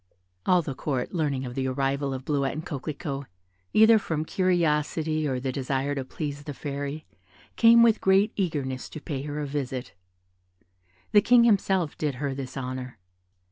All the Court learning the arrival of Bleuette and Coquelicot, either from curiosity or the desire to please the Fairy, came with great eagerness to pay her a visit. The King himself did her this honour.